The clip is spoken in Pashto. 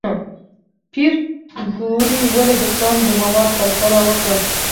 پېیر کوري ولې د کان د موادو پرتله وکړه؟